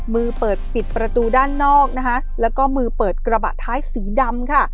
มือเปิดปิดประตูด้านนอกนะคะแล้วก็มือเปิดกระบะท้ายสีดำค่ะ